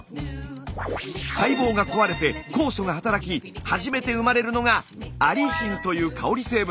細胞が壊れて酵素が働き初めて生まれるのがアリシンという香り成分。